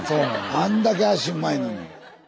あんだけ足うまいのに。